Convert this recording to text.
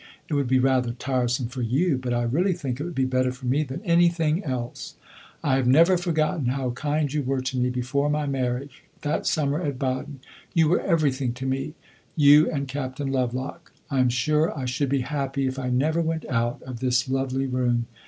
It would be rather tiresome for you; but I really think it would be better for me than anything else. I have never forgotten how kind you were to me before my marriage that summer at Baden. You were everything to me you and Captain Lovelock. I am sure I should be happy if I never went out of this lovely room.